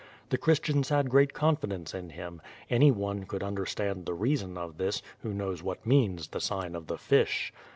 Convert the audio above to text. The Christians had great confidence in him. Anyone could understand the reason of this, who knows what means the sign of the fish.